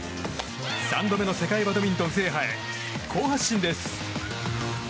３度目の世界バドミントン制覇へ好発進です。